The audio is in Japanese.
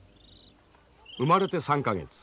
生まれて３か月。